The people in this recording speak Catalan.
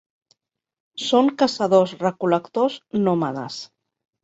Són caçadors-recol·lectors nòmades.